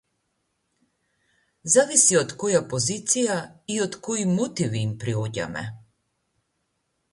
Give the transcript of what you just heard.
Зависи од која позиција и од кои мотиви им приоѓаме.